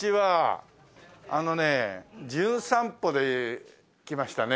あのね『じゅん散歩』で来ましたね